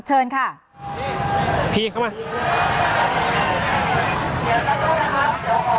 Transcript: เชิญค่ะพี่เข้ามา